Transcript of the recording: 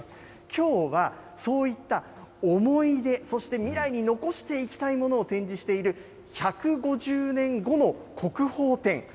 きょうはそういった思い出、そして未来に残していきたいものを展示している１５０年後の国宝展。